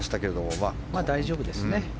まあ大丈夫ですね。